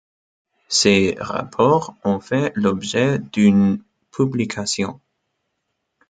Ces rapports ont fait l’objet d’une publication.